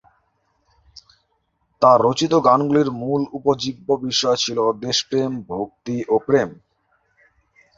তার রচিত গানগুলির মূল উপজীব্য বিষয় ছিল দেশপ্রেম, ভক্তি ও প্রেম।